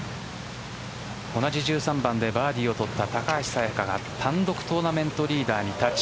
同じ１３番でバーディーを取った高橋彩華が単独トーナメントリーダーにタッチ。